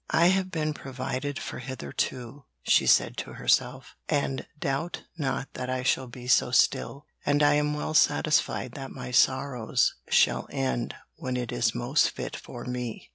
'I have been provided for hitherto,' she said to herself, 'and doubt not that I shall be so still, and I am well satisfied that my sorrows shall end when it is most fit for me.'